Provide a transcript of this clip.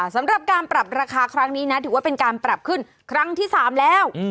สำหรับการปรับราคาครั้งนี้นะถือว่าเป็นการปรับขึ้นครั้งที่๓แล้ว